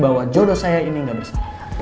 bahwa jodoh saya ini tidak bisa